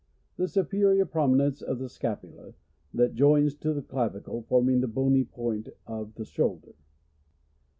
The superior prominence of the scapula, that joins to (he clavicle, forming the bony point of the shoulder.